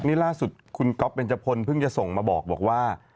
นี่ล่าสุดคุณก๊อฟเบนจพลเพิ่งจะส่งมาบอกว่า